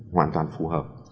hoàn toàn phù hợp